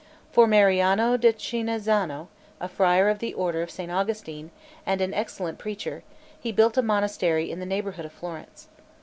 For Mariano da Chinazano, a friar of the order of St. Augustine, and an excellent preacher, he built a monastery in the neighborhood of Florence.